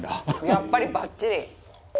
やっぱりバッチリ。